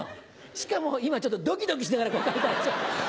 しかも今ちょっとドキドキしながらこうやったでしょ？